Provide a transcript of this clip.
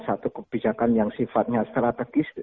satu kebijakan yang sifatnya strategis